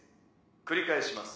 繰り返します